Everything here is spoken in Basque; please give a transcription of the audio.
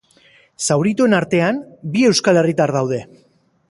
Zaurituen artean, bi euskal herritar daude.